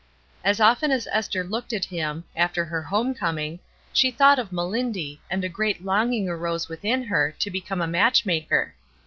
As often as Esther looked at him, after her home coming, she thought of "MeUndy," and a great longing arose within her to become a match maker.